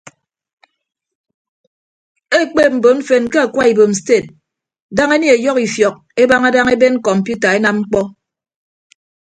Ekpeep mbon mfen ke akwa ibom sted daña enie ọyọhọ ifiọk ebaña daña eben kọmpiuta enam ñkpọ.